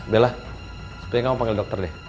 bella sepertinya kamu panggil dokter deh